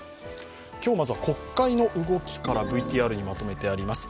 今日まずは国会の動きからＶＴＲにまとめてあります。